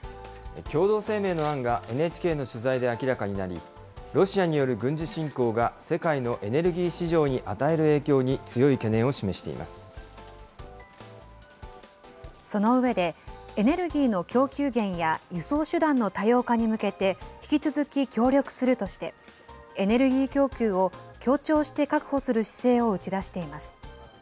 共同声明の案がＮＨＫの取材で明らかになり、ロシアによる軍事侵攻が世界のエネルギー市場に与える影響に、強い懸念を示してその上で、エネルギーの供給源や輸送手段の多様化に向けて、引き続き協力するとして、エネルギー供給を協調して確保する姿勢を打ち出しています。